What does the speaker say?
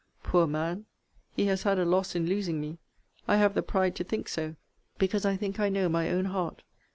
Poor man! he has had a loss in losing me! I have the pride to think so, because I think I know my own heart.